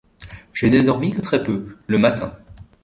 Je n’ai dormi que très peu, le matin.